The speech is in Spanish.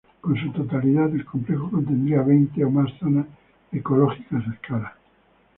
En su totalidad, el complejo contendría veinte o más zonas ecológicas a escala.